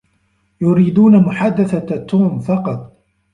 يريدون محادثة توم فقط.